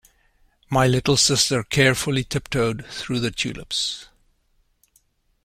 My little sister carefully tiptoed through the tulips.